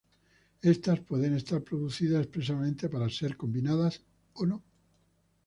Estas pueden estar producidas expresamente para ser combinadas o no.